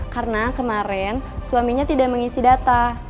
karena kemarin suaminya tidak mengisi data